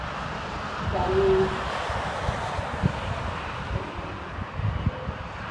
Camiwi.